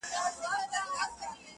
دي ښاد سي د ځواني دي خاوري نه سي’